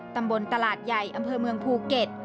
ตำบลตลาดใหญ่อำเภอเมืองภูเก็ต